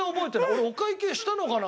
俺お会計したのかな？